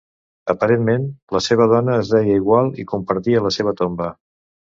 Aparentment la seva dona es deia igual i compartia la seva tomba.